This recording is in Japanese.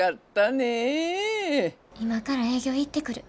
今から営業行ってくる。